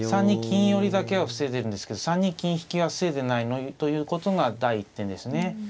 ３二金寄だけは防いでるんですけど３二金引は防いでないということが第一点ですね。